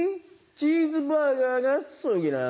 チーズバーガーが好きなん？